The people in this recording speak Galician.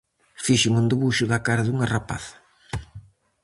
Fixen un debuxo da cara dunha rapaza.